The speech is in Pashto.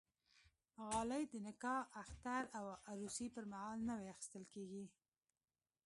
غالۍ د نکاح، اختر او عروسي پرمهال نوی اخیستل کېږي.